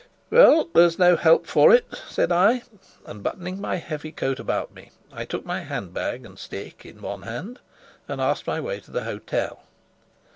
"Well, there's no help for it," said I, and, buttoning my heavy coat about me, I took my hand bag and stick in one hand, and asked my way to the hotel.